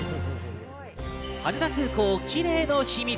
羽田空港キレイの秘密。